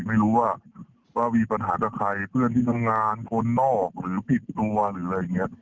ไม่รู้ว่าว่ามีปัญหากับใครเพื่อนที่ทำงานคนนอกหรือผิดตัวหรืออะไรอย่างนี้